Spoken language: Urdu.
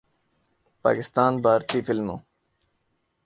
پاکستان، بھارتی فلموں